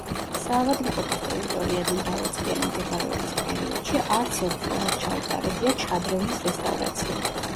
საავადმყოფოს ტერიტორიაზე მრავალწლიანი მდებარეობის პერიოდში არცერთხელ არ ჩაუტარებიათ შადრევნის რესტავრაცია.